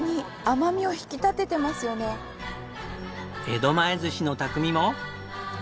江戸前寿司の匠も。